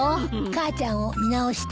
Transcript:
母ちゃんを見直した？